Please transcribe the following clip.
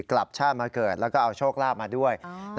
กลับชาติมาเกิดแล้วก็เอาโชคลาภมาด้วย